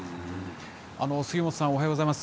杉本さん、おはようございます。